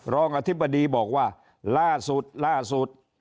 รองอธิบดีบอกว่าล่าสุดล่าสุด